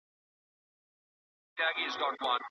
کوم خلګ په خپل ورځني ژوند کي ډېر بریالي دي؟